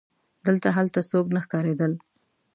دلته هلته څوک نه ښکارېدل.